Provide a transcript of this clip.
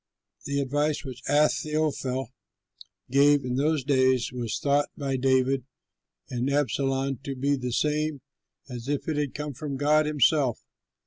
The advice which Ahithophel gave in those days was thought by David and Absalom to be the same as if it had come from God himself.